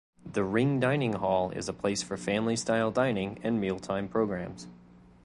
The Ring Dining Hall is a place for family style dining and mealtime programs.